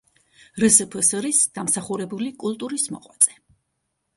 რსფსრ-ის დამსახურებული კულტურის მოღვაწე.